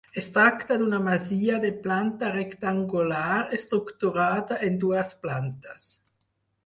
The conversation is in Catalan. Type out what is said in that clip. Es tracta d'una masia de planta rectangular estructurada en dues plantes.